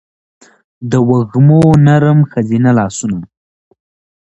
دوږمو نرم ښځینه لا سونه